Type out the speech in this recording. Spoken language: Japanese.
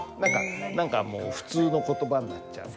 何かもう普通の言葉になっちゃう。